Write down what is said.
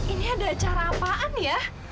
ini ada acara apaan ya